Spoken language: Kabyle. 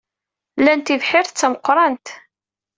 Lan tibḥirt d tameqrant.